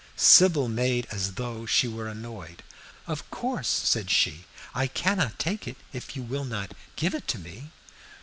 Sybil made as though she were annoyed. "Of course," said she, "I cannot take it, if you will not give it to me."